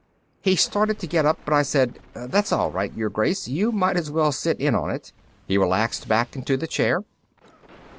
He started to get up, but I said, "That's all right, Your Grace; you might as well sit in on it." He relaxed back into the chair.